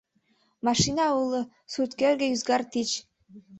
Машина уло, сурткӧргӧ ӱзгар тич.